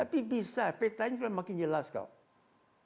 tapi bisa petanya sudah makin jelas kok